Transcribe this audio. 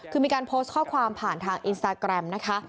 คือมีการโพสต์ข้อความผ่านทางอินสตาแกรมนะคะ